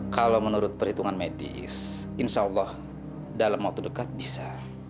kalau menurut perhitungan medis insya allah dalam waktu dekat bisa